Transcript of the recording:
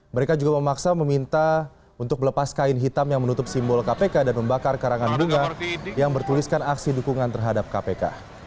mereka juga memaksa meminta untuk melepas kain hitam yang menutup simbol kpk dan membakar karangan bunga yang bertuliskan aksi dukungan terhadap kpk